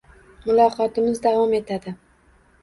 Muloqotimiz davom etadi.